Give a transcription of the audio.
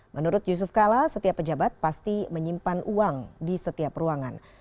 menurut yusuf kala setiap pejabat pasti menyimpan uang di setiap ruangan